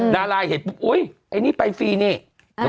ดาราเห็นปุ๊บอุ๊ยไอ้นี่ไปฟรีนี่